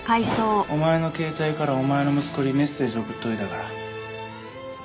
お前の携帯からお前の息子にメッセージ送っといたから。